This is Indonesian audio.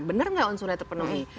benar nggak unsurnya terpenuhi